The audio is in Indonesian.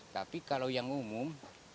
tapi kalau yang umum tiga ratus lima puluh